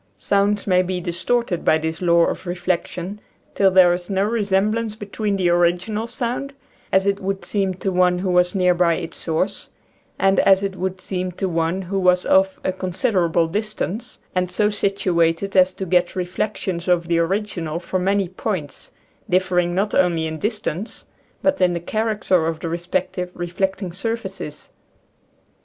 Sounds may be distorted by this law of re flection till there is no resemblance between the original sound, as it would seem to one who was near by its source, and as it would seem to one who was off a considerable distance, and so situated as to get reflections of the original from many points, differing not only in dis tance, but in the character of the respective reflecting surfaces.